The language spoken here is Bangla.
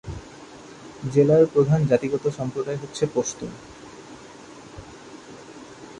জেলার প্রধান জাতিগত সম্প্রদায় হচ্ছে পশতুন।